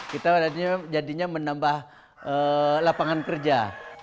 kita jadinya menambah lapangan kerja